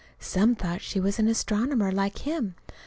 Some thought she was an astronomer like him.